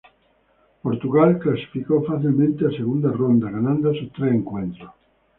Portugal clasificó fácilmente a segunda ronda, ganando sus tres encuentros.